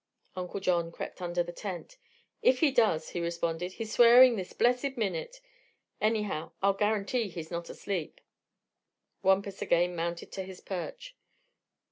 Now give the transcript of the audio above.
Uncle John crept under the tent. "If he does," he responded, "he's swearing this blessed minute. Anyhow, I'll guarantee he's not asleep." Wampus again mounted to his perch.